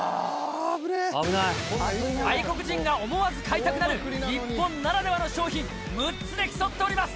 外国人が思わず買いたくなる日本ならではの商品６つで競っております。